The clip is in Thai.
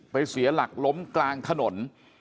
เสียหลักล้มกลางถนน